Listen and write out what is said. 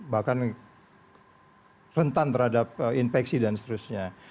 bahkan rentan terhadap infeksi dan seterusnya